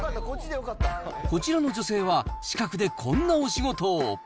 こちらの女性は資格でこんなお仕事を。